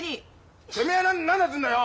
てめえは何だっつんだよ！